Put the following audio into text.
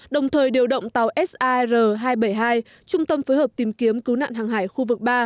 đồng thời điều động tàu sar hai trăm bảy mươi hai trung tâm phối hợp tìm kiếm cứu nạn hàng hải khu vực ba